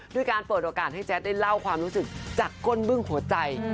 ด้วยการเปิดโอกาสให้แจ๊ดได้เล่าความรู้สึกจากก้นบึ้งหัวใจ